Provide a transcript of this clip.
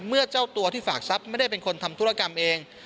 เจ้าตัวที่ฝากทรัพย์ไม่ได้เป็นคนทำธุรกรรมเอง